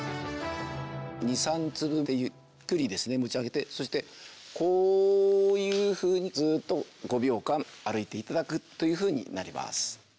２３粒でゆっくり持ち上げてそしてこういうふうにずっと５秒間歩いていただくというふうになります。